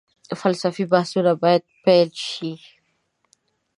فلسفي بحثونه باید پيل شي.